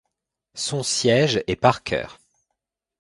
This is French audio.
Son siège est Parker.